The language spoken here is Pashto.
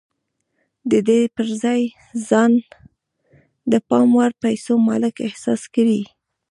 د دې پر ځای ځان د پام وړ پيسو مالک احساس کړئ.